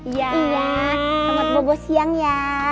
iya selamat bobo siang ya